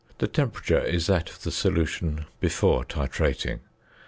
The temperature is that of the solution before titrating.